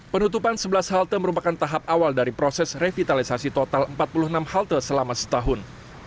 penutupan sebelas halte merupakan tahap awal dari proses revitalisasi total empat puluh enam halte selama setahun